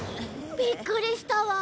びっくりしたわ。